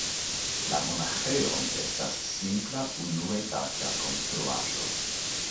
La monaĥejo estas simpla unuetaĝa konstruaĵo.